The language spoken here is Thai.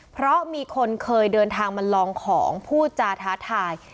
เพราะมีคนเคยเดินทางมาลองของพูดจาท้าทาย